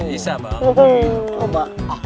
nanti cantik kau